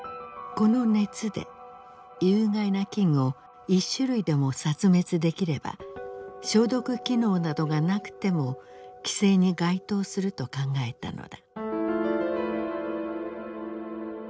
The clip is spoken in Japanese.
この熱で有害な菌を一種類でも殺滅できれば消毒機能などがなくても規制に該当すると考えたのだ。